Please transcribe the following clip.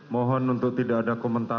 mohon untuk tidak ada komentar